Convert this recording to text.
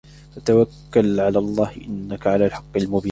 فَتَوَكَّلْ عَلَى اللَّهِ إِنَّكَ عَلَى الْحَقِّ الْمُبِينِ